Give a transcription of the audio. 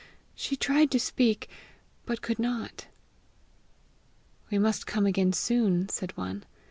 She tried to speak, but could not. "We must come again soon!" said one.